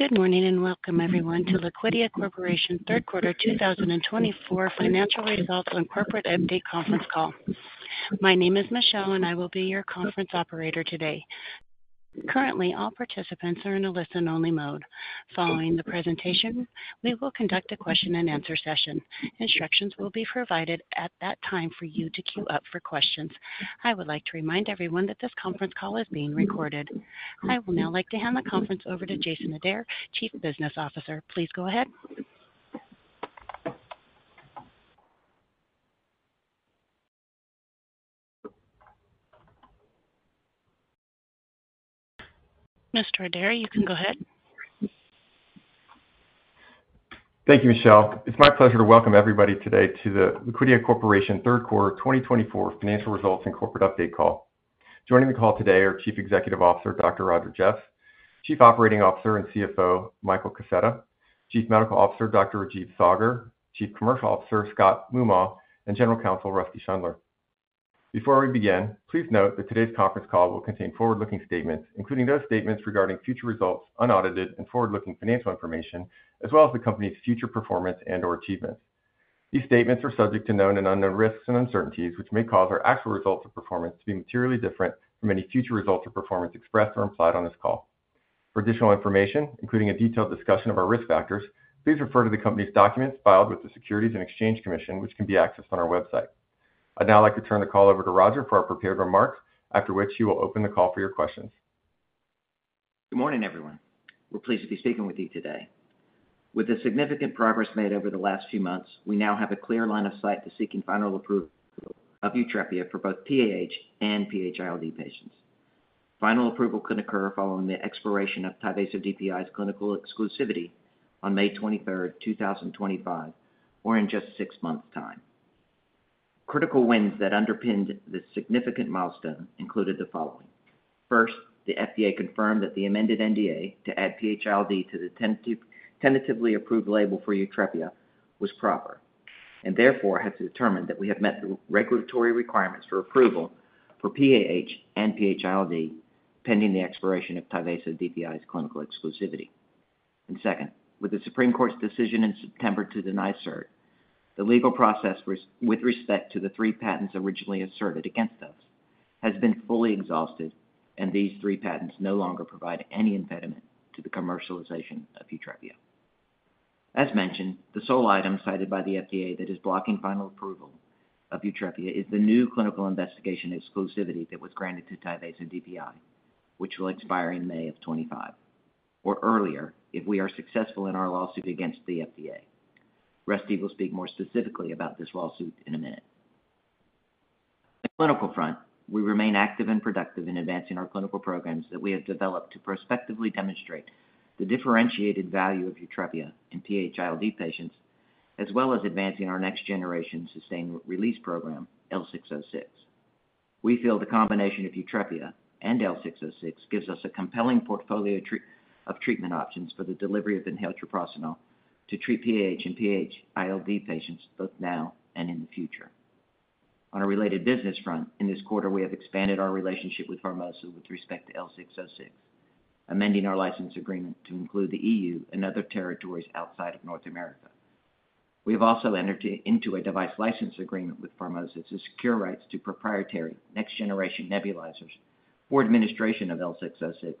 Good morning and welcome, everyone, to Liquidia Corporation's Third Quarter 2024 Financial Results and Corporate Update Conference Call. My name is Michelle, and I will be your conference operator today. Currently, all participants are in a listen-only mode. Following the presentation, we will conduct a question and answer session. Instructions will be provided at that time for you to queue up for questions. I would like to remind everyone that this conference call is being recorded. I would now like to hand the conference over to Jason Adair, Chief Business Officer. Please go ahead. Mr. Adair, you can go ahead. Thank you, Michelle. It's my pleasure to welcome everybody today to the Liquidia Corporation Third Quarter 2024 Financial Results and Corporate Update Call. Joining the call today are Chief Executive Officer Dr. Roger Jeffs, Chief Operating Officer and CFO Michael Kaseta, Chief Medical Officer Dr. Rajeev Saggar, Chief Commercial Officer Scott Moomaw, and General Counsel Rusty Schundler. Before we begin, please note that today's conference call will contain forward-looking statements, including those statements regarding future results, unaudited and forward-looking financial information, as well as the company's future performance and/or achievements. These statements are subject to known and unknown risks and uncertainties, which may cause our actual results or performance to be materially different from any future results or performance expressed or implied on this call. For additional information, including a detailed discussion of our risk factors, please refer to the company's documents filed with the Securities and Exchange Commission, which can be accessed on our website. I'd now like to turn the call over to Roger for our prepared remarks, after which he will open the call for your questions. Good morning, everyone. We're pleased to be speaking with you today. With the significant progress made over the last few months, we now have a clear line of sight to seeking final approval of YUTREPIA for both PAH and PH-ILD patients. Final approval could occur following the expiration of Tyvaso DPI's clinical exclusivity on May 23rd, 2025, or in just six months' time. Critical wins that underpinned this significant milestone included the following: First, the FDA confirmed that the amended NDA to add PH-ILD to the tentatively approved label for YUTREPIA was proper and therefore has determined that we have met the regulatory requirements for approval for PAH and PH-ILD pending the expiration of Tyvaso DPI's clinical exclusivity. And second, with the Supreme Court's decision in September to deny cert, the legal process with respect to the three patents originally asserted against us has been fully exhausted, and these three patents no longer provide any impediment to the commercialization of YUTREPIA. As mentioned, the sole item cited by the FDA that is blocking final approval of YUTREPIA is the new clinical investigation exclusivity that was granted to Tyvaso DPI, which will expire in May of 2025 or earlier if we are successful in our lawsuit against the FDA. Rusty will speak more specifically about this lawsuit in a minute. On the clinical front, we remain active and productive in advancing our clinical programs that we have developed to prospectively demonstrate the differentiated value of YUTREPIA in PH-ILD patients, as well as advancing our next-generation sustained-release program, L606. We feel the combination of YUTREPIA and L606 gives us a compelling portfolio of treatment options for the delivery of inhaled Treprostinil to treat PAH and PH-ILD patients both now and in the future. On a related business front, in this quarter, we have expanded our relationship with Pharmosa with respect to L606, amending our license agreement to include the EU and other territories outside of North America. We have also entered into a device license agreement with Pharmosa to secure rights to proprietary next-generation nebulizers for administration of L606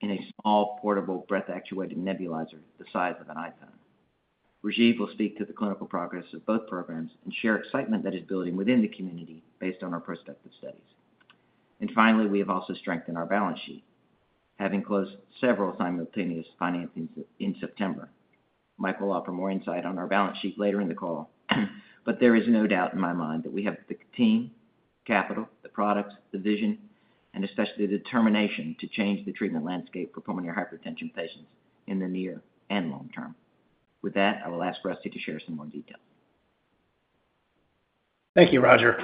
in a small, portable, breath-actuated nebulizer the size of an iPhone. Rajeev will speak to the clinical progress of both programs and share excitement that is building within the community based on our prospective studies, and finally, we have also strengthened our balance sheet, having closed several simultaneous financings in September. Michael will offer more insight on our balance sheet later in the call, but there is no doubt in my mind that we have the team, capital, the products, the vision, and especially the determination to change the treatment landscape for pulmonary hypertension patients in the near and long term. With that, I will ask Rusty to share some more details. Thank you, Roger.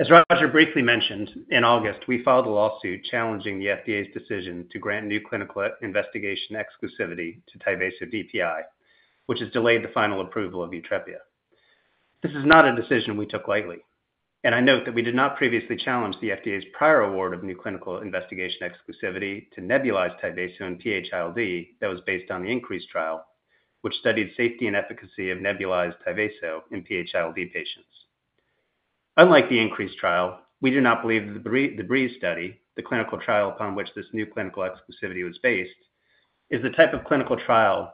As Roger briefly mentioned, in August, we filed a lawsuit challenging the FDA's decision to grant new clinical investigation exclusivity to Tyvaso DPI, which has delayed the final approval of YUTREPIA. This is not a decision we took lightly, and I note that we did not previously challenge the FDA's prior award of new clinical investigation exclusivity to nebulized Tyvaso in PH-ILD that was based on the INCREASE trial, which studied safety and efficacy of nebulized Tyvaso in PH-ILD patients. Unlike the INCREASE trial, we do not believe that the BREEZE study, the clinical trial upon which this new clinical exclusivity was based, is the type of clinical trial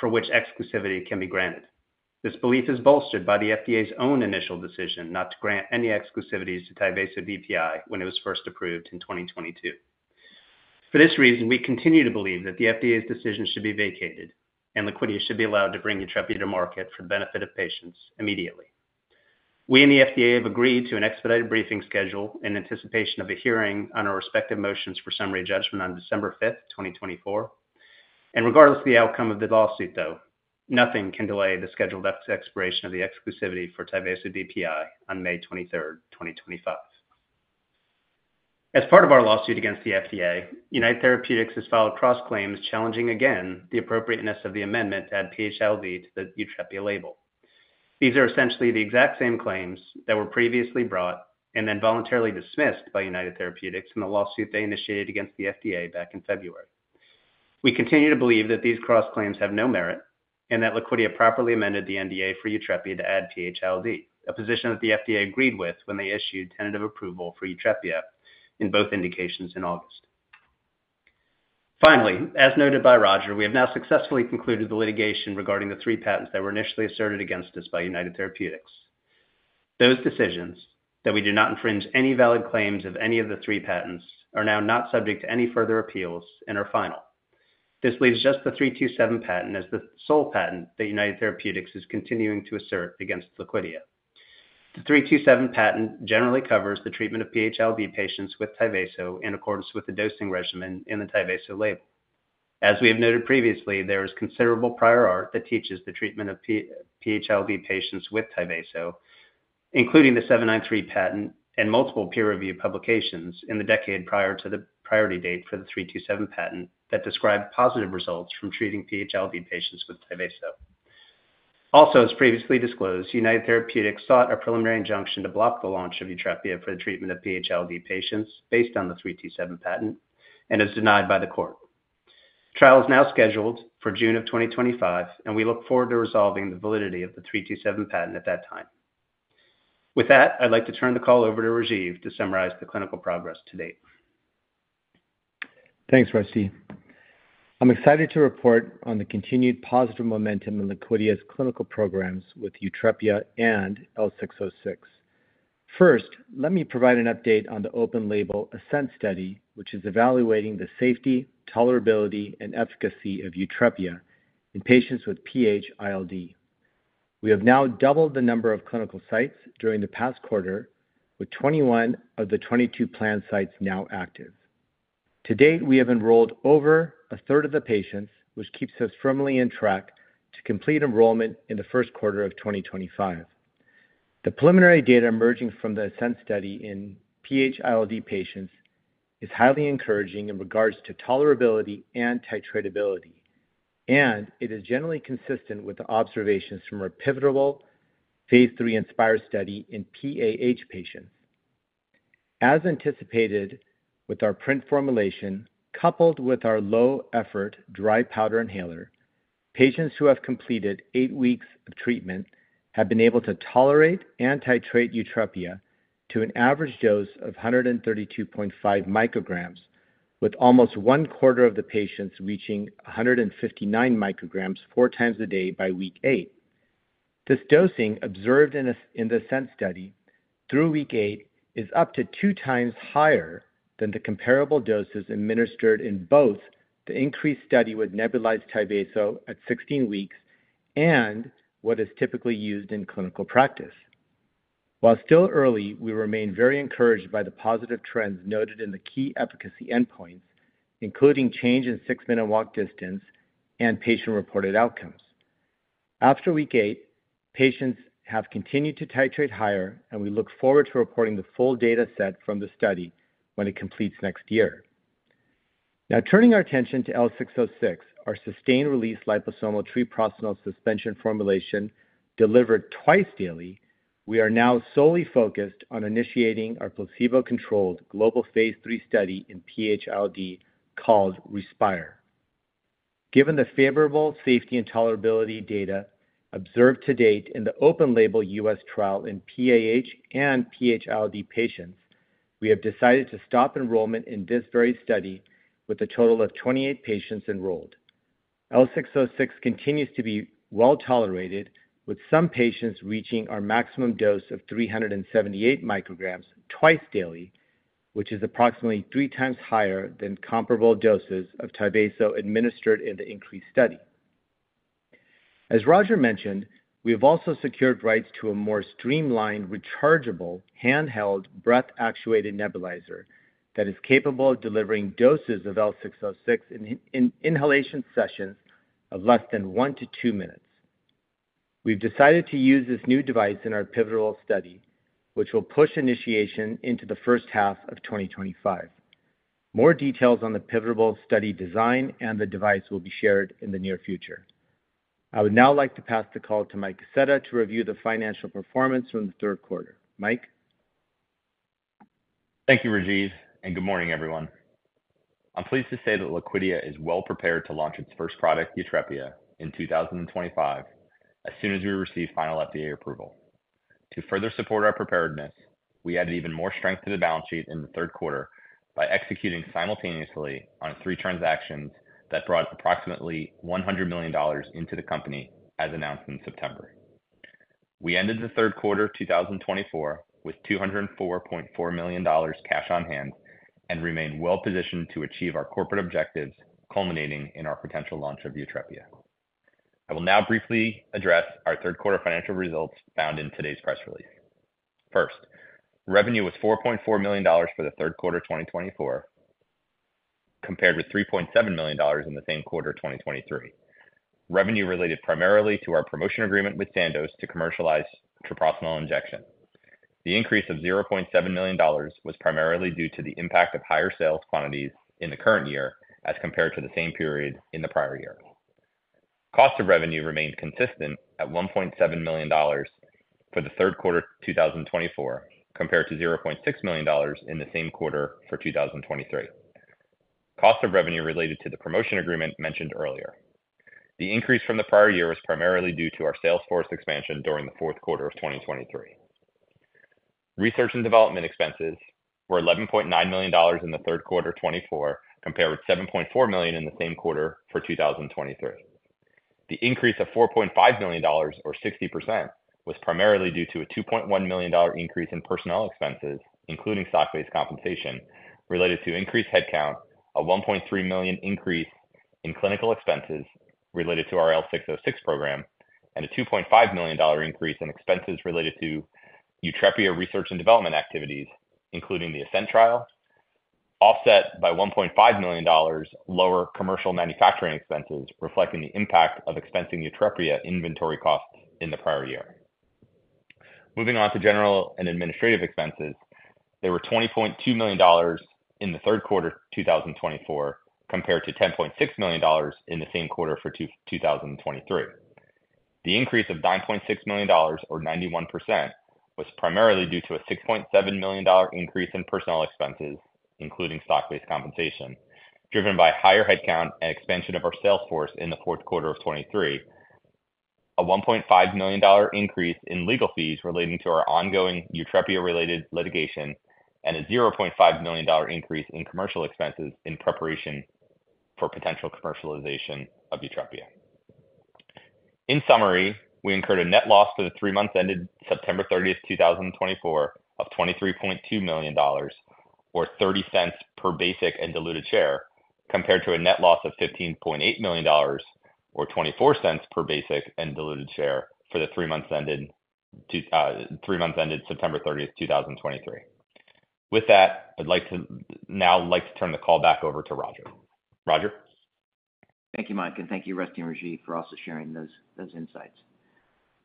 for which exclusivity can be granted. This belief is bolstered by the FDA's own initial decision not to grant any exclusivities to Tyvaso DPI when it was first approved in 2022. For this reason, we continue to believe that the FDA's decision should be vacated and Liquidia should be allowed to bring YUTREPIA to market for the benefit of patients immediately. We and the FDA have agreed to an expedited briefing schedule in anticipation of a hearing on our respective motions for summary judgment on December 5th, 2024, and regardless of the outcome of the lawsuit, though, nothing can delay the scheduled expiration of the exclusivity for Tyvaso DPI on May 23rd, 2025. As part of our lawsuit against the FDA, United Therapeutics has filed cross-claims challenging again the appropriateness of the amendment to add PH-ILD to the YUTREPIA label. These are essentially the exact same claims that were previously brought and then voluntarily dismissed by United Therapeutics in the lawsuit they initiated against the FDA back in February. We continue to believe that these cross-claims have no merit and that Liquidia properly amended the NDA for YUTREPIA to add PH-ILD, a position that the FDA agreed with when they issued tentative approval for YUTREPIA in both indications in August. Finally, as noted by Roger, we have now successfully concluded the litigation regarding the three patents that were initially asserted against us by United Therapeutics. Those decisions that we do not infringe any valid claims of any of the three patents are now not subject to any further appeals and are final. This leaves just the '327 patent as the sole patent that United Therapeutics is continuing to assert against Liquidia. The '327 patent generally covers the treatment of PH-ILD patients with Tyvaso in accordance with the dosing regimen in the Tyvaso label. As we have noted previously, there is considerable prior art that teaches the treatment of PH-ILD patients with Tyvaso, including the '793 patent and multiple peer-reviewed publications in the decade prior to the priority date for the '327 patent that describe positive results from treating PH-ILD patients with Tyvaso. Also, as previously disclosed, United Therapeutics sought a preliminary injunction to block the launch of YUTREPIA for the treatment of PH-ILD patients based on the '327 patent and is denied by the court. Trial is now scheduled for June of 2025, and we look forward to resolving the validity of the '327 patent at that time. With that, I'd like to turn the call over to Rajeev to summarize the clinical progress to date. Thanks, Rusty. I'm excited to report on the continued positive momentum in Liquidia's clinical programs with YUTREPIA and L606. First, let me provide an update on the open label ASCEND study, which is evaluating the safety, tolerability, and efficacy of YUTREPIA in patients with PH-ILD. We have now doubled the number of clinical sites during the past quarter, with 21 of the 22 planned sites now active. To date, we have enrolled over a third of the patients, which keeps us firmly on track to complete enrollment in the first quarter of 2025. The preliminary data emerging from the ASCEND study in PH-ILD patients is highly encouraging in regards to tolerability and titratability, and it is generally consistent with the observations from our pivotal phase III INSPIRE study in PAH patients. As anticipated with our dry powder formulation, coupled with our low-effort dry powder inhaler, patients who have completed eight weeks of treatment have been able to tolerate and titrate YUTREPIA to an average dose of 132.5 micrograms, with almost one quarter of the patients reaching 159 micrograms four times a day by week eight. This dosing observed in the ASCEND study through week eight is up to two times higher than the comparable doses administered in both the INCREASE study with nebulized Tyvaso at 16 weeks and what is typically used in clinical practice. While still early, we remain very encouraged by the positive trends noted in the key efficacy endpoints, including change in six-minute walk distance and patient-reported outcomes. After week eight, patients have continued to titrate higher, and we look forward to reporting the full data set from the study when it completes next year. Now, turning our attention to L606, our sustained-release liposomal treprostinil suspension formulation delivered twice daily, we are now solely focused on initiating our placebo-controlled global phase III study in PH-ILD called RESPIRE. Given the favorable safety and tolerability data observed to date in the open label U.S. trial in PAH and PH-ILD patients, we have decided to stop enrollment in this very study with a total of 28 patients enrolled. L606 continues to be well tolerated, with some patients reaching our maximum dose of 378 micrograms twice daily, which is approximately three times higher than comparable doses of Tyvaso administered in the INCREASE study. As Roger mentioned, we have also secured rights to a more streamlined, rechargeable, handheld breath-actuated nebulizer that is capable of delivering doses of L606 in inhalation sessions of less than one to two minutes. We've decided to use this new device in our pivotal study, which will push initiation into the first half of 2025. More details on the pivotal study design and the device will be shared in the near future. I would now like to pass the call to Mike Kaseta to review the financial performance from the third quarter. Mike. Thank you, Rajeev, and good morning, everyone. I'm pleased to say that Liquidia is well prepared to launch its first product, YUTREPIA, in 2025, as soon as we receive final FDA approval. To further support our preparedness, we added even more strength to the balance sheet in the third quarter by executing simultaneously on three transactions that brought approximately $100 million into the company, as announced in September. We ended the third quarter of 2024 with $204.4 million cash on hand and remain well positioned to achieve our corporate objectives, culminating in our potential launch of YUTREPIA. I will now briefly address our third quarter financial results found in today's press release. First, revenue was $4.4 million for the third quarter of 2024, compared with $3.7 million in the same quarter of 2023. Revenue related primarily to our promotion agreement with Sandoz to commercialize treprostinil injection. The increase of $0.7 million was primarily due to the impact of higher sales quantities in the current year as compared to the same period in the prior year. Cost of revenue remained consistent at $1.7 million for the third quarter of 2024, compared to $0.6 million in the same quarter for 2023. Cost of revenue related to the promotion agreement mentioned earlier. The increase from the prior year was primarily due to our sales force expansion during the fourth quarter of 2023. Research and development expenses were $11.9 million in the third quarter of 2024, compared with $7.4 million in the same quarter for 2023. The increase of $4.5 million, or 60%, was primarily due to a $2.1 million increase in personnel expenses, including stock-based compensation related to increased headcount, a $1.3 million increase in clinical expenses related to our L606 program, and a $2.5 million increase in expenses related to YUTREPIA research and development activities, including the ASCEND trial, offset by $1.5 million lower commercial manufacturing expenses reflecting the impact of expensing YUTREPIA inventory costs in the prior year. Moving on to general and administrative expenses, there were $20.2 million in the third quarter of 2024, compared to $10.6 million in the same quarter for 2023. The increase of $9.6 million, or 91%, was primarily due to a $6.7 million increase in personnel expenses, including stock-based compensation, driven by higher headcount and expansion of our sales force in the fourth quarter of 2023, a $1.5 million increase in legal fees relating to our ongoing YUTREPIA-related litigation, and a $0.5 million increase in commercial expenses in preparation for potential commercialization of YUTREPIA. In summary, we incurred a net loss for the three months ended September 30th, 2024, of $23.2 million, or 30 cents per basic and diluted share, compared to a net loss of $15.8 million, or 24 cents per basic and diluted share for the three months ended September 30, 2023. With that, I'd like to now turn the call back over to Roger. Roger. Thank you, Mike, and thank you, Rusty and Rajeev, for also sharing those insights.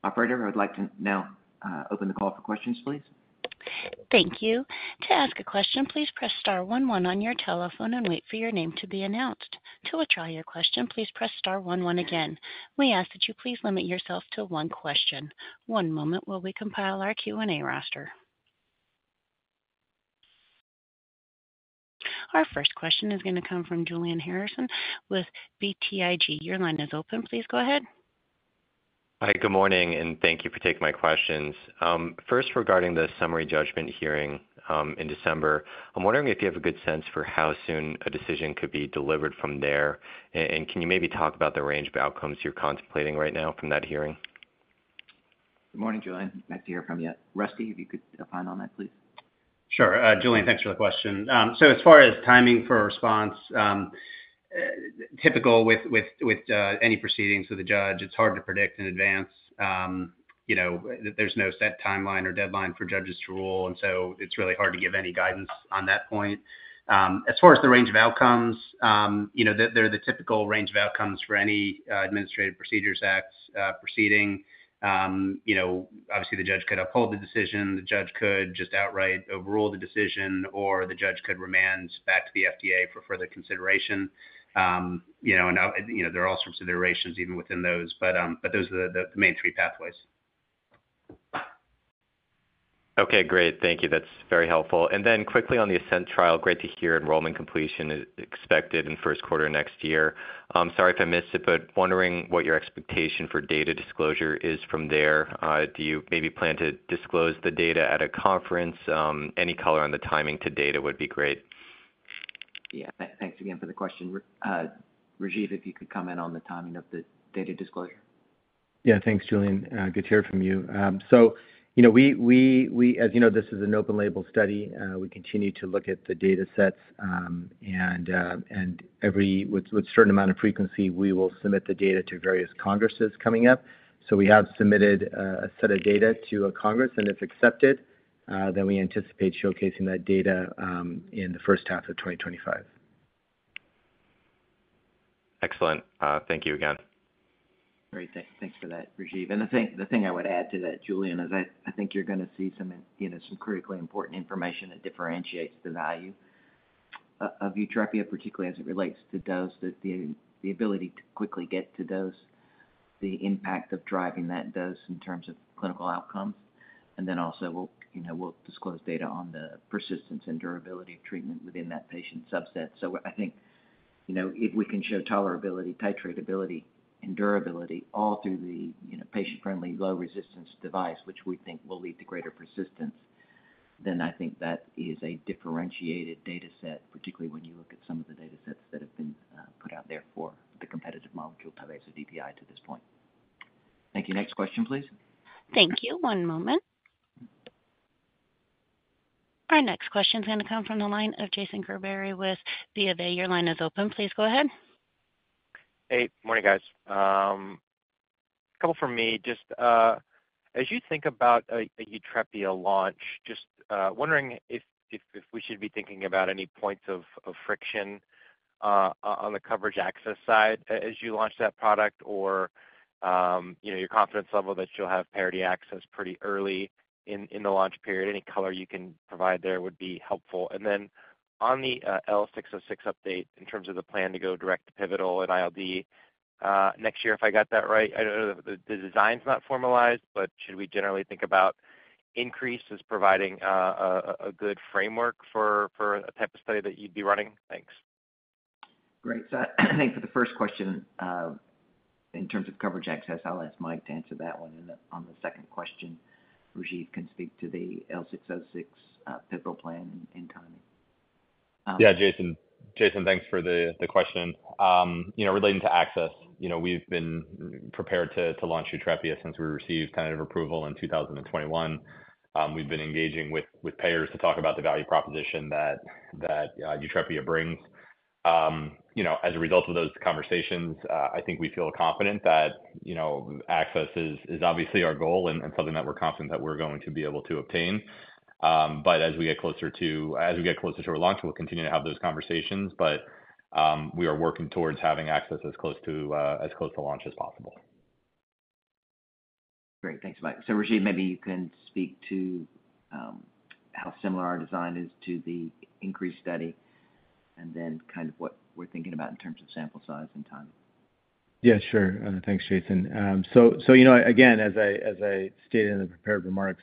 Operator, I would like to now open the call for questions, please. Thank you. To ask a question, please press star one one on your telephone and wait for your name to be announced. To withdraw your question, please press star one one again. We ask that you please limit yourself to one question. One moment while we compile our Q&A roster. Our first question is going to come from Julian Harrison with BTIG. Your line is open. Please go ahead. Hi, good morning, and thank you for taking my questions. First, regarding the summary judgment hearing in December, I'm wondering if you have a good sense for how soon a decision could be delivered from there, and can you maybe talk about the range of outcomes you're contemplating right now from that hearing? Good morning, Julian. Nice to hear from you. Rusty, if you could opine on that, please. Sure. Julian, thanks for the question. So as far as timing for response, typical with any proceedings with a judge, it's hard to predict in advance. There's no set timeline or deadline for judges to rule, and so it's really hard to give any guidance on that point. As far as the range of outcomes, they're the typical range of outcomes for any Administrative Procedure Act proceeding. Obviously, the judge could uphold the decision. The judge could just outright overrule the decision, or the judge could remand back to the FDA for further consideration. There are all sorts of iterations even within those, but those are the main three pathways. Okay, great. Thank you. That's very helpful. And then quickly on the ASCEND trial, great to hear enrollment completion is expected in first quarter next year. Sorry if I missed it, but wondering what your expectation for data disclosure is from there. Do you maybe plan to disclose the data at a conference? Any color on the timing to data would be great. Yeah. Thanks again for the question. Rajeev, if you could comment on the timing of the data disclosure. Yeah, thanks, Julian. Good to hear from you. So as you know, this is an open label study. We continue to look at the data sets, and with a certain amount of frequency, we will submit the data to various congresses coming up. So we have submitted a set of data to a congress, and if accepted, then we anticipate showcasing that data in the first half of 2025. Excellent. Thank you again. Great. Thanks for that, Rajeev. And the thing I would add to that, Julian, is I think you're going to see some critically important information that differentiates the value of YUTREPIA, particularly as it relates to dose, the ability to quickly get to dose, the impact of driving that dose in terms of clinical outcomes, and then also, we'll disclose data on the persistence and durability of treatment within that patient subset, so I think if we can show tolerability, titratability, and durability all through the patient-friendly, low-resistance device, which we think will lead to greater persistence, then I think that is a differentiated data set, particularly when you look at some of the data sets that have been put out there for the competitive molecules based on DPI to this point. Thank you. Next question, please. Thank you. One moment. Our next question is going to come from the line of Jason Gerberry with B of A. Your line is open. Please go ahead. Hey, morning, guys. A couple from me. Just as you think about a YUTREPIA launch, just wondering if we should be thinking about any points of friction on the coverage access side as you launch that product or your confidence level that you'll have parity access pretty early in the launch period. Any color you can provide there would be helpful. And then on the L606 update, in terms of the plan to go direct to pivotal and ILD next year, if I got that right, I know the design's not formalized, but should we generally think about INCREASE providing a good framework for a type of study that you'd be running? Thanks. Great. So I think for the first question, in terms of coverage access, I'll ask Mike to answer that one. And on the second question, Rajeev can speak to the L606 pivotal plan and timing. Yeah, Jason, thanks for the question. Relating to access, we've been prepared to launch YUTREPIA since we received tentative approval in 2021. We've been engaging with payers to talk about the value proposition that YUTREPIA brings. As a result of those conversations, I think we feel confident that access is obviously our goal and something that we're confident that we're going to be able to obtain. But as we get closer to our launch, we'll continue to have those conversations, but we are working towards having access as close to launch as possible. Great. Thanks, Mike. So Rajeev, maybe you can speak to how similar our design is to the INCREASE study and then kind of what we're thinking about in terms of sample size and timing. Yeah, sure. Thanks, Jason. So again, as I stated in the prepared remarks,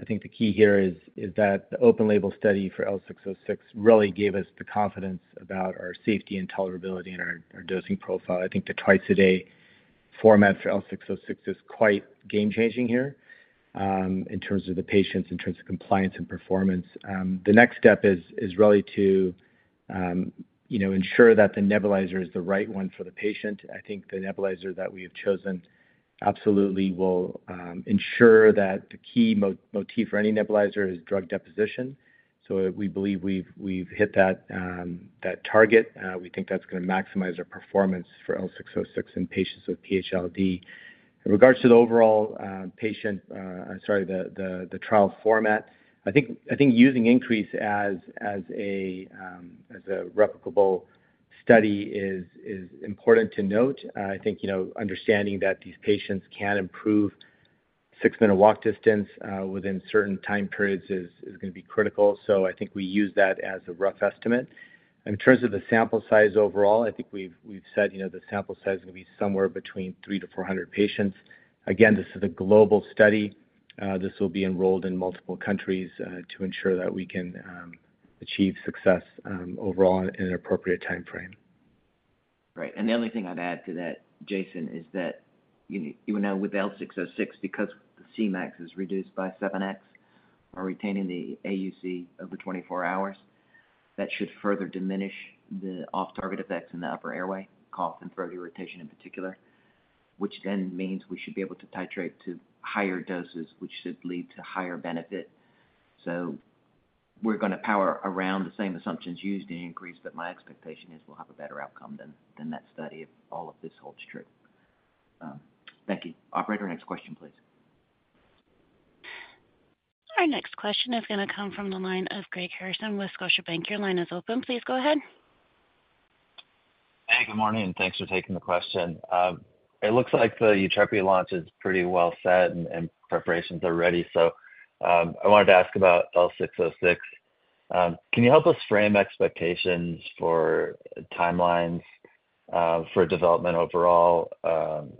I think the key here is that the open label study for L606 really gave us the confidence about our safety and tolerability and our dosing profile. I think the twice-a-day format for L606 is quite game-changing here in terms of the patients, in terms of compliance and performance. The next step is really to ensure that the nebulizer is the right one for the patient. I think the nebulizer that we have chosen absolutely will ensure that the key motif for any nebulizer is drug deposition. So we believe we've hit that target. We think that's going to maximize our performance for L606 in patients with PH-ILD. In regards to the overall patient sorry, the trial format, I think using INCREASE as a replicable study is important to note. I think understanding that these patients can improve six-minute walk distance within certain time periods is going to be critical. So I think we use that as a rough estimate. In terms of the sample size overall, I think we've said the sample size is going to be somewhere between 300 to 400 patients. Again, this is a global study. This will be enrolled in multiple countries to ensure that we can achieve success overall in an appropriate time frame. Great. And the only thing I'd add to that, Jason, is that with L606, because the Cmax is reduced by 7x, or retaining the AUC over 24 hours, that should further diminish the off-target effects in the upper airway, cough and throat irritation in particular, which then means we should be able to titrate to higher doses, which should lead to higher benefit. So we're going to power around the same assumptions used in INCREASE, but my expectation is we'll have a better outcome than that study if all of this holds true. Thank you. Operator, next question, please. Our next question is going to come from the line of Greg Harrison with Scotiabank. Your line is open. Please go ahead. Hey, good morning, and thanks for taking the question. It looks like the YUTREPIA launch is pretty well set and preparations are ready. So I wanted to ask about L606. Can you help us frame expectations for timelines for development overall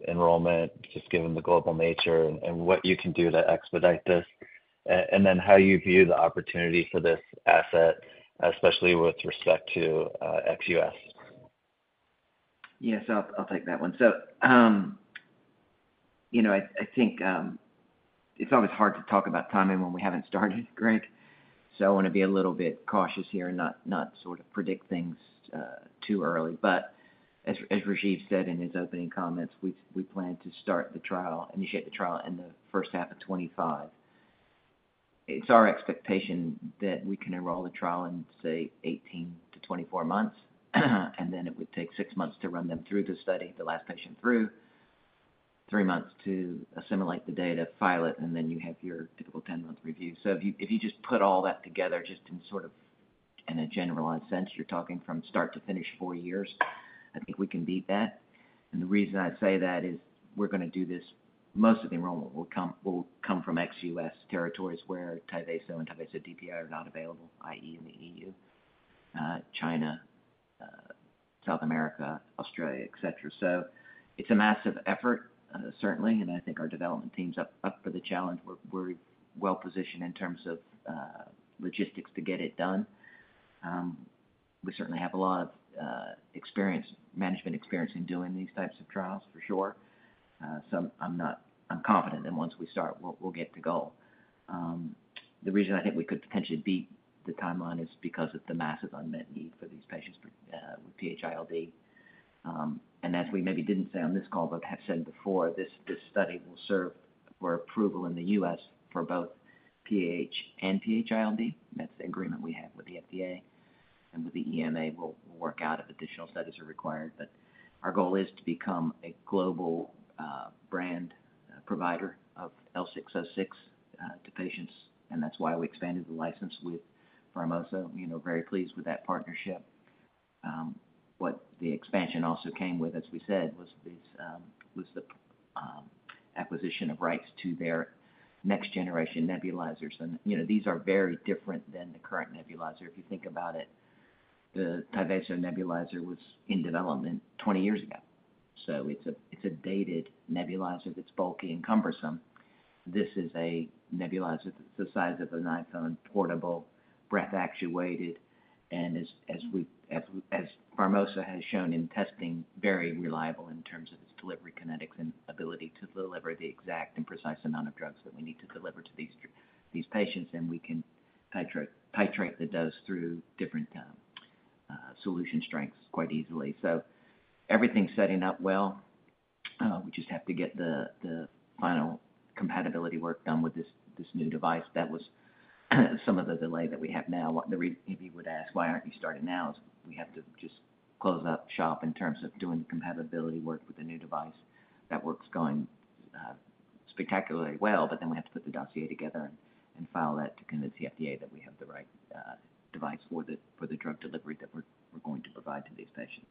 enrollment, just given the global nature and what you can do to expedite this, and then how you view the opportunity for this asset, especially with respect to ex-US? Yes, I'll take that one. So I think it's always hard to talk about timing when we haven't started, Greg. So I want to be a little bit cautious here and not sort of predict things too early. But as Rajeev said in his opening comments, we plan to start the trial, initiate the trial in the first half of 2025. It's our expectation that we can enroll the trial in, say, 18 to 24 months, and then it would take six months to run them through the study, the last patient through, three months to assimilate the data, file it, and then you have your typical 10-month review. So if you just put all that together just in sort of a generalized sense, you're talking from start to finish four years. I think we can beat that. The reason I say that is we're going to do this. Most of the enrollment will come from ex-U.S. territories where Tyvaso and Tyvaso DPI are not available, i.e., in the EU, China, South America, Australia, etc. It's a massive effort, certainly, and I think our development team's up for the challenge. We're well-positioned in terms of logistics to get it done. We certainly have a lot of management experience in doing these types of trials, for sure. I'm confident that once we start, we'll get the goal. The reason I think we could potentially beat the timeline is because of the massive unmet need for these patients with PH-ILD. As we maybe didn't say on this call, but have said before, this study will serve for approval in the U.S. for both PAH and PH-ILD. That's the agreement we have with the FDA and with the EMA. We'll work out if additional studies are required, but our goal is to become a global brand provider of L606 to patients, and that's why we expanded the license with Pharmosa. Very pleased with that partnership. What the expansion also came with, as we said, was the acquisition of rights to their next-generation nebulizers. And these are very different than the current nebulizer. If you think about it, the Tyvaso nebulizer was in development 20 years ago. So it's a dated nebulizer that's bulky and cumbersome. This is a nebulizer that's the size of an iPhone, portable, breath-actuated, and as Pharmosa has shown in testing, very reliable in terms of its delivery kinetics and ability to deliver the exact and precise amount of drugs that we need to deliver to these patients, and we can titrate the dose through different solution strengths quite easily. So everything's setting up well. We just have to get the final compatibility work done with this new device. That was some of the delay that we have now. If you would ask, "Why aren't you starting now?" is we have to just close up shop in terms of doing the compatibility work with the new device. That work's going spectacularly well, but then we have to put the dossier together and file that to convince the FDA that we have the right device for the drug delivery that we're going to provide to these patients.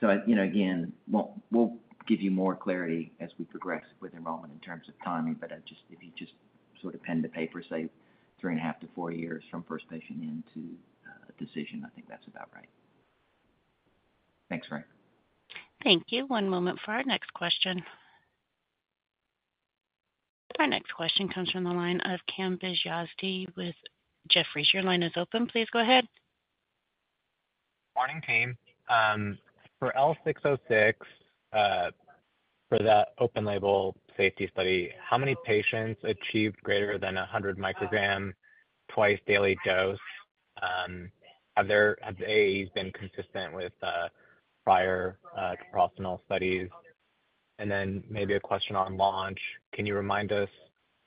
So again, we'll give you more clarity as we progress with enrollment in terms of timing, but if you just sort of pen to paper, say, three and a half to four years from first patient into decision, I think that's about right. Thanks, Greg. Thank you. One moment for our next question. Our next question comes from the line of Kambiz Yazdi with Jefferies. Your line is open. Please go ahead. Morning, team. For L606, for that open label safety study, how many patients achieved greater than 100 microgram twice-daily dose? Have the AEs been consistent with prior prostacyclin studies? And then maybe a question on launch. Can you remind us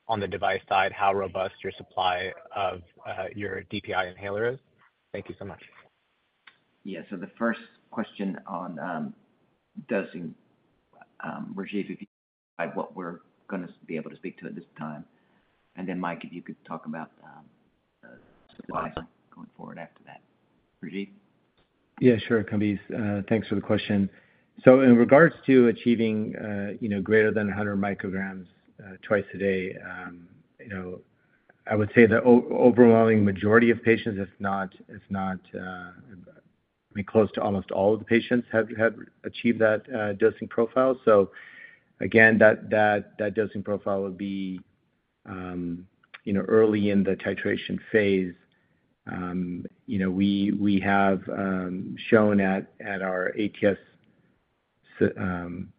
on the device side how robust your supply of your DPI inhaler is? Thank you so much. Yeah. So the first question on dosing, Rajeev, if you can provide what we're going to be able to speak to at this time. And then Mike, if you could talk about supply going forward after that. Rajeev? Yeah, sure, Kambiz. Thanks for the question. So in regards to achieving greater than 100 micrograms twice a day, I would say the overwhelming majority of patients, if not close to almost all of the patients, have achieved that dosing profile. So again, that dosing profile would be early in the titration phase. We have shown at our ATS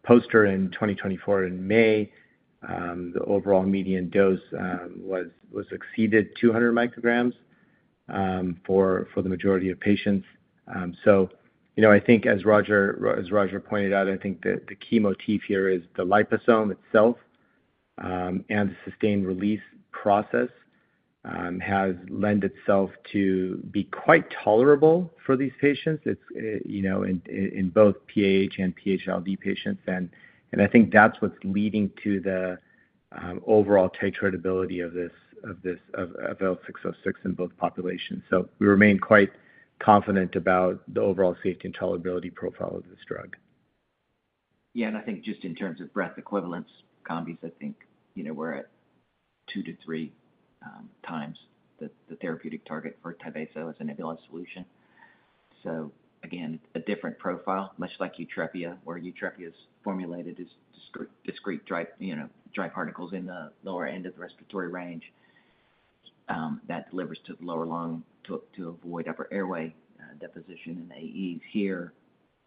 poster in 2024 in May, the overall median dose was exceeded 200 micrograms for the majority of patients. So I think, as Roger pointed out, I think the key motif here is the liposome itself and the sustained release process has lent itself to be quite tolerable for these patients in both PAH and PH-ILD patients. And I think that's what's leading to the overall titratability of L606 in both populations. So we remain quite confident about the overall safety and tolerability profile of this drug. Yeah. I think just in terms of dose equivalence, Kambiz, I think we're at two to three times the therapeutic target for Tyvaso as a nebulized solution. So again, a different profile, much like YUTREPIA, where YUTREPIA is formulated as discrete dry particles in the lower end of the respiratory range that delivers to the lower lung to avoid upper airway deposition and AEs. Here,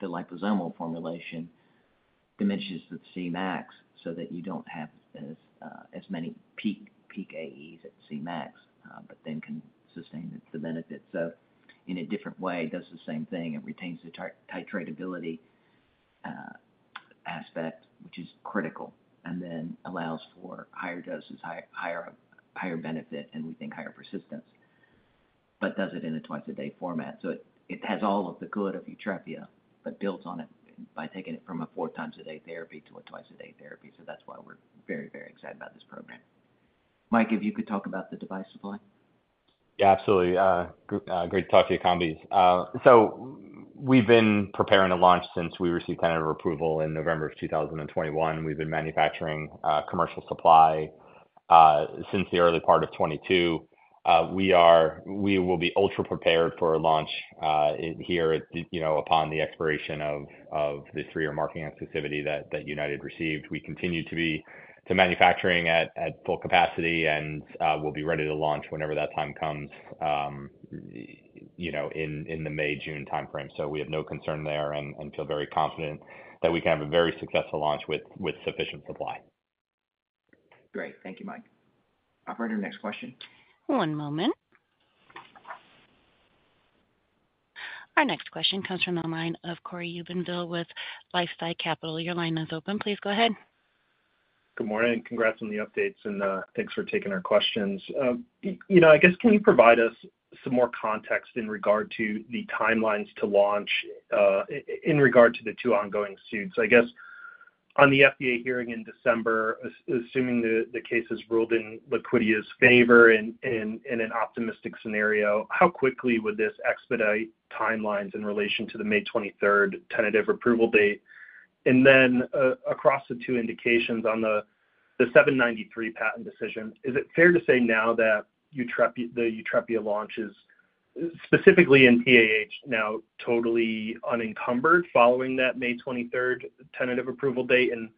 the liposomal formulation diminishes the Cmax so that you don't have as many peak AEs at Cmax, but then can sustain the benefit. So in a different way, it does the same thing. It retains the titratability aspect, which is critical, and then allows for higher doses, higher benefit, and we think higher persistence, but does it in a twice-a-day format. So it has all of the good of YUTREPIA, but builds on it by taking it from a four times a day therapy to a twice-a-day therapy. So that's why we're very, very excited about this program. Mike, if you could talk about the device supply. Yeah, absolutely. Great to talk to you, Kambiz. So we've been preparing to launch since we received tentative approval in November of 2021. We've been manufacturing commercial supply since the early part of 2022. We will be ultra-prepared for launch here upon the expiration of the three-year marketing exclusivity that United received. We continue to be manufacturing at full capacity and will be ready to launch whenever that time comes in the May, June timeframe. So we have no concern there and feel very confident that we can have a very successful launch with sufficient supply. Great. Thank you, Mike. Operator, next question. One moment. Our next question comes from the line of Cory Jubinville with LifeSci Capital. Your line is open. Please go ahead. Good morning. Congrats on the updates, and thanks for taking our questions. I guess, can you provide us some more context in regard to the timelines to launch in regard to the two ongoing suits? I guess, on the FDA hearing in December, assuming the case is ruled in Liquidia's favor in an optimistic scenario, how quickly would this expedite timelines in relation to the May 23rd tentative approval date? And then across the two indications on the '793 patent decision, is it fair to say now that the YUTREPIA launch is specifically in PAH now totally unencumbered following that May 23rd tentative approval date? And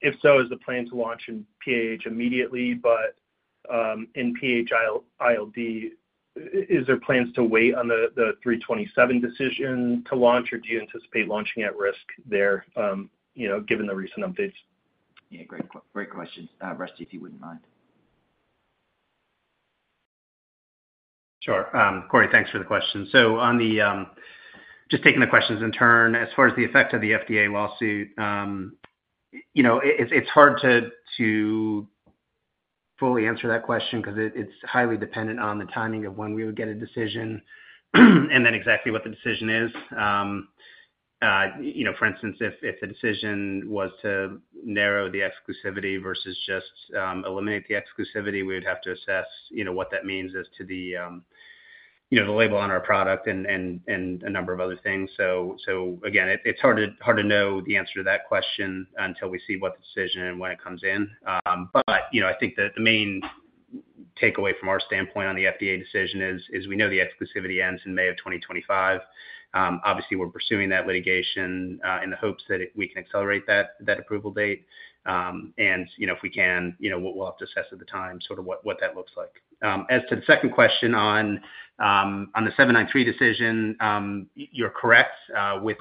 if so, is the plan to launch in PAH immediately, but in PH-ILD, is there plans to wait on the '327 decision to launch, or do you anticipate launching at risk there given the recent updates? Yeah, great questions. Rusty, if you wouldn't mind. Sure. Cory, thanks for the question. So just taking the questions in turn, as far as the effect of the FDA lawsuit, it's hard to fully answer that question because it's highly dependent on the timing of when we would get a decision and then exactly what the decision is. For instance, if the decision was to narrow the exclusivity versus just eliminate the exclusivity, we would have to assess what that means as to the label on our product and a number of other things. So again, it's hard to know the answer to that question until we see what the decision and when it comes in. But I think the main takeaway from our standpoint on the FDA decision is we know the exclusivity ends in May of 2025. Obviously, we're pursuing that litigation in the hopes that we can accelerate that approval date. If we can, we'll have to assess at the time sort of what that looks like. As to the second question on the '793 decision, you're correct with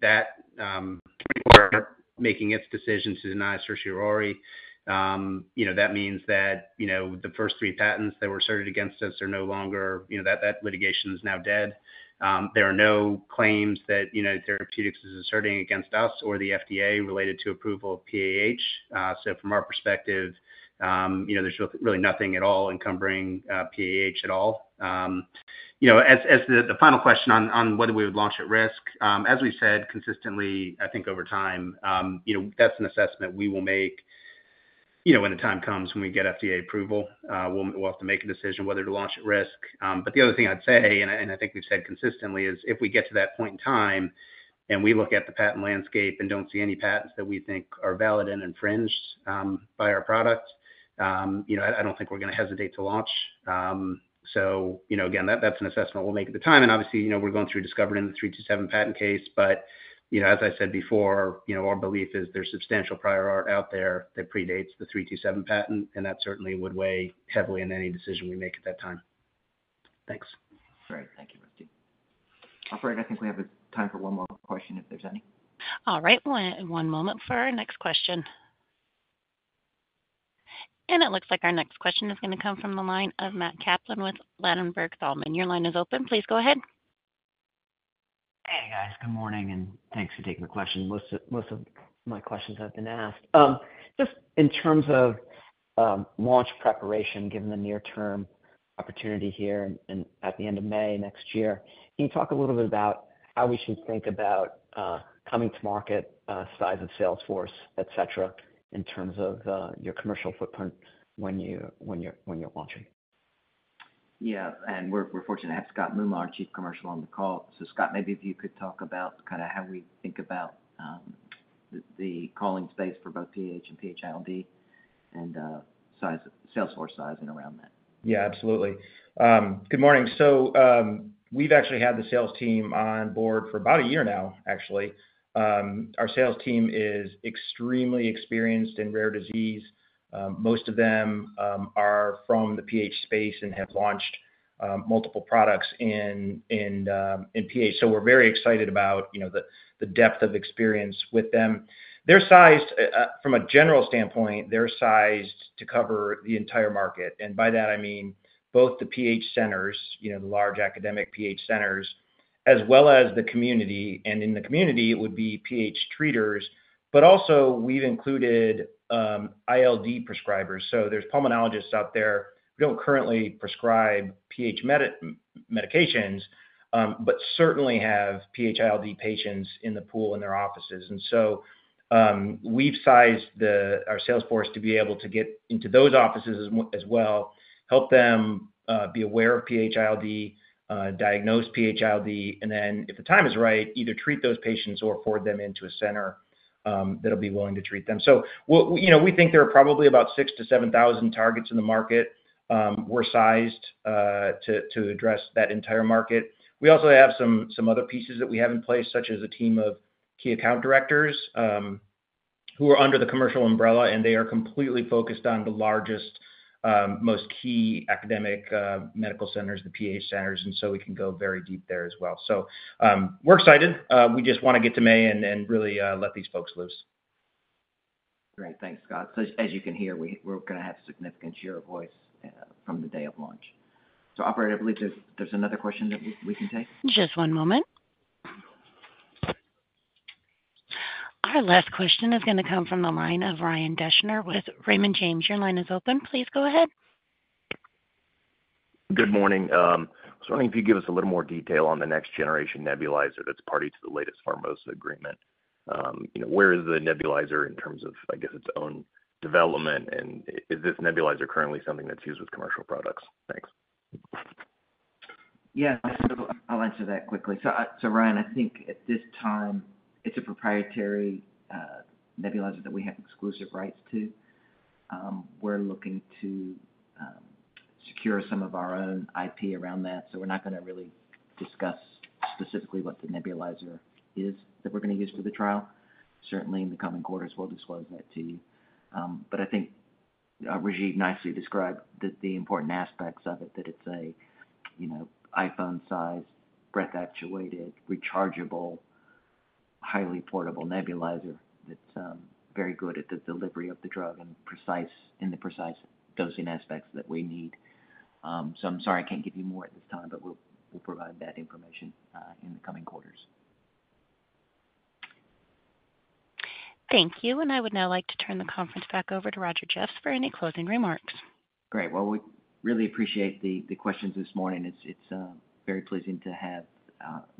that. 2024 making its decision to deny certiorari, that means that the first three patents that were asserted against us are no longer. That litigation is now dead. There are no claims that United Therapeutics is asserting against us or the FDA related to approval of PAH. So from our perspective, there's really nothing at all encumbering PAH at all. As the final question on whether we would launch at risk, as we've said consistently, I think over time, that's an assessment we will make when the time comes when we get FDA approval. We'll have to make a decision whether to launch at risk. But the other thing I'd say, and I think we've said consistently, is if we get to that point in time and we look at the patent landscape and don't see any patents that we think are valid and infringed by our product, I don't think we're going to hesitate to launch. So again, that's an assessment we'll make at the time. And obviously, we're going through discovery in the '327 patent case, but as I said before, our belief is there's substantial prior art out there that predates the '327 patent, and that certainly would weigh heavily in any decision we make at that time. Thanks. Great. Thank you, Rusty. Operator, I think we have time for one more question if there's any. All right. One moment for our next question. And it looks like our next question is going to come from the line of Matt Kaplan with Ladenburg Thalmann. Your line is open. Please go ahead. Hey, guys. Good morning, and thanks for taking the question. Most of my questions have been asked. Just in terms of launch preparation, given the near-term opportunity here at the end of May next year, can you talk a little bit about how we should think about coming to market, size of sales force, etc., in terms of your commercial footprint when you're launching? Yeah, and we're fortunate to have Scott Moomaw, Chief Commercial Officer, on the call. So Scott, maybe if you could talk about kind of how we think about the calling space for both PAH and PH-ILD and sales force sizing around that. Yeah, absolutely. Good morning. So we've actually had the sales team on board for about a year now, actually. Our sales team is extremely experienced in rare disease. Most of them are from the PAH space and have launched multiple products in PAH. So we're very excited about the depth of experience with them. From a general standpoint, they're sized to cover the entire market. And by that, I mean both the PAH centers, the large academic PAH centers, as well as the community. And in the community, it would be PAH treaters, but also we've included ILD prescribers. So there's pulmonologists out there who don't currently prescribe PAH medications, but certainly have PH-ILD patients in the pool in their offices. And so we've sized our sales force to be able to get into those offices as well, help them be aware of PH-ILD, diagnose PH-ILD, and then if the time is right, either treat those patients or forward them into a center that'll be willing to treat them. So we think there are probably about 6,000-7,000 targets in the market. We're sized to address that entire market. We also have some other pieces that we have in place, such as a team of key account directors who are under the commercial umbrella, and they are completely focused on the largest, most key academic medical centers, the PAH centers. And so we can go very deep there as well. So we're excited. We just want to get to May and really let these folks loose. Great. Thanks, Scott. So as you can hear, we're going to have significant share of voice from the day of launch. So Operator, I believe there's another question that we can take. Just one moment. Our last question is going to come from the line of Ryan Deschner with Raymond James. Your line is open. Please go ahead. Good morning. I was wondering if you could give us a little more detail on the next-generation nebulizer that's party to the latest Pharmosa agreement. Where is the nebulizer in terms of, I guess, its own development, and is this nebulizer currently something that's used with commercial products? Thanks. Yeah. So I'll answer that quickly. So Ryan, I think at this time, it's a proprietary nebulizer that we have exclusive rights to. We're looking to secure some of our own IP around that. So we're not going to really discuss specifically what the nebulizer is that we're going to use for the trial. Certainly, in the coming quarters, we'll disclose that to you. But I think Rajeev nicely described the important aspects of it, that it's an iPhone-sized, breath-actuated, rechargeable, highly portable nebulizer that's very good at the delivery of the drug and in the precise dosing aspects that we need. So I'm sorry I can't give you more at this time, but we'll provide that information in the coming quarters. Thank you. And I would now like to turn the conference back over to Roger Jeffs for any closing remarks. Great. Well, we really appreciate the questions this morning. It's very pleasing to have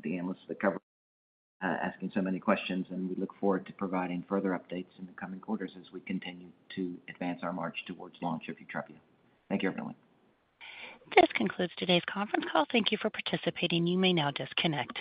the analysts that cover asking so many questions, and we look forward to providing further updates in the coming quarters as we continue to advance our march towards launch of YUTREPIA. Thank you, everyone. This concludes today's conference call. Thank you for participating. You may now disconnect.